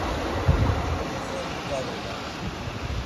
Oxori nǩaluman.